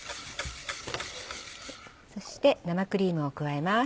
そして生クリームを加えます。